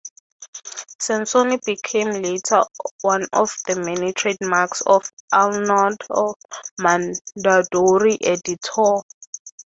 Sansoni became later one of the many trademarks of Arnoldo Mondadori Editore.